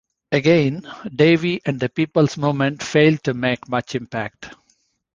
Again, Davy and the People's Movement failed to make much impact.